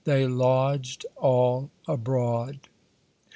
They lodged all abroad.